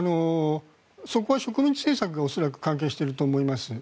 そこは植民地政策が恐らく関係していると思います。